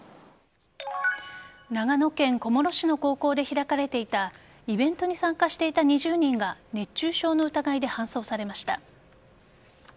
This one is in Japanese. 長野県小諸市の高校で開かれていたイベントに参加していた２０人が熱中症の疑いで搬送されました。